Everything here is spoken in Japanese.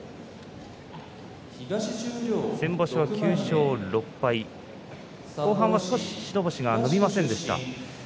先場所は、９勝６敗後半は白星が伸びませんでした。